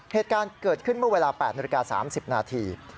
เหตุการณ์เกิดขึ้นเมื่อเวลา๘นาฬิกา๓๐นาที